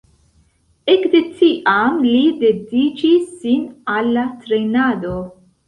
Ekde tiam li dediĉis sin al la trejnado.